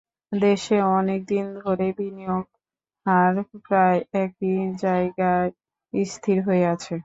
দেশে অনেক দিন ধরেই বিনিয়োগের হার প্রায় একই জায়গায় স্থির হয়ে আছে।